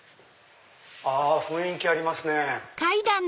あ雰囲気ありますね。